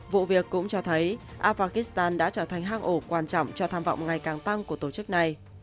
vụ việc cũng cho thấy afghanistan đã trở thành hang ổ quan trọng cho tham vọng ngày càng tăng của tổ chức này